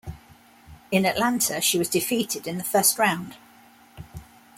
In Atlanta, she was defeated in the first round.